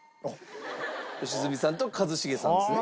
良純さんと一茂さんですね。